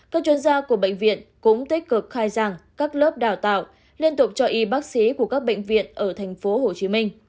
các chuyên gia của bệnh viện cũng tích cực khai giảng các lớp đào tạo liên tục cho y bác sĩ của các bệnh viện ở tp hcm